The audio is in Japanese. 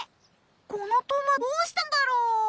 このトマトどうしたんだろう？